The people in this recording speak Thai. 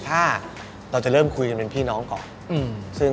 ถ้าเราจะเริ่มคุยกันเป็นพี่น้องก่อน